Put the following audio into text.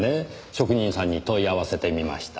職人さんに問い合わせてみました。